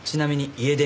家出？